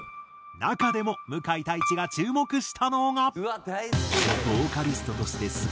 中でも向井太一が注目したのが。